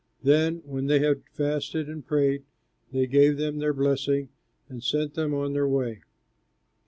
Then when they had fasted and prayed, they gave them their blessing and sent them on their way.